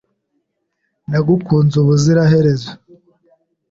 Nagukunze ubuziraherezo,